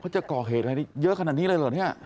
เยอะขนาดนี้เลยเหรอเนี่ย